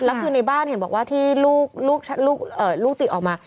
แล้วคือในบ้านเห็นบอกว่าที่ลูกติดออกมา